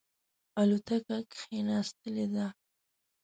الوتکه کښېنستلې ده.